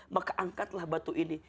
maka angkatlah batu ini